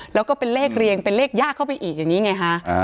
แล้วก็เป็นเลขเรียงเป็นเลขยากเข้าไปอีกอย่างนี้ไงฮะ